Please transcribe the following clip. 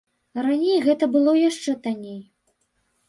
Раней гэта было яшчэ танней.